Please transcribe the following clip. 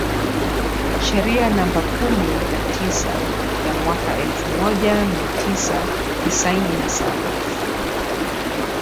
Sheria namba kumi na tisa ya mwaka elfu moja mia tisa tisini na saba